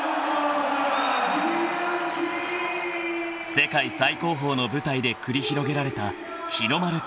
［世界最高峰の舞台で繰り広げられた日の丸対決］